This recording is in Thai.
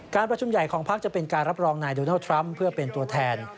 ประชุมใหญ่ของพักจะเป็นการรับรองนายโดนัลดทรัมป์เพื่อเป็นตัวแทน